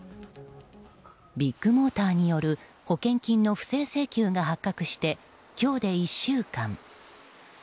ビッグモーターによる保険金の不正請求が発覚して今日で１週間。